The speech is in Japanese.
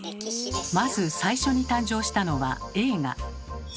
まず最初に誕生したのは映画。